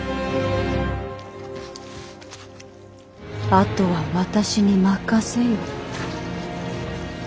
あとは私に任せよ。